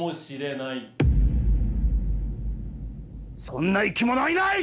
そんな生き物はいない！